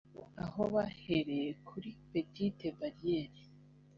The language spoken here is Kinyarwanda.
aho bahereye kuri petite barrière